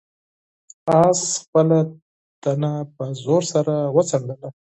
آس خپله تنه په زور سره وڅنډله.